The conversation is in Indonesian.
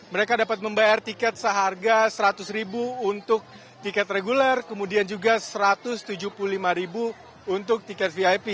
mereka dapat membayar tiket seharga rp seratus untuk tiket reguler kemudian juga rp satu ratus tujuh puluh lima untuk tiket vip